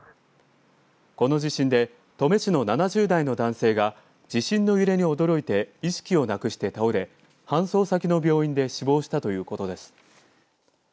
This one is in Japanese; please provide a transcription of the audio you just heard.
この地震で登米市の７０代の男性が地震の揺れに驚いて意識をなくして倒れ搬送先の病院で死亡したということです。